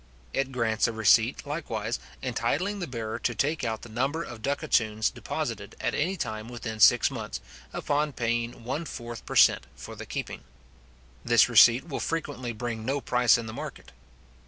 It grants a receipt likewise, entitling the bearer to take out the number of ducatoons deposited at any time within six months, upon paying one fourth per cent. for the keeping. This receipt will frequently bring no price in the market.